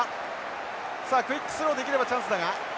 さあクイックスローできればチャンスだが。